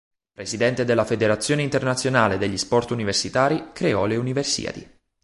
Presidente della Federazione internazionale degli sport universitari, creò le Universiadi.